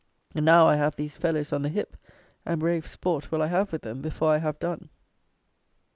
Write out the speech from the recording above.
Now, I have these fellows on the hip; and brave sport will I have with them before I have done.